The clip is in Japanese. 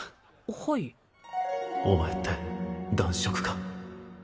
はいお前って男色か？